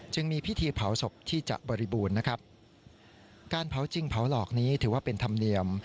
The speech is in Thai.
จึงมีพิธีเผาศพที่จะบริบูรณ์นะครับการเผาจริงเผาหลอกนี้ถือว่าเป็นธรรมเนียม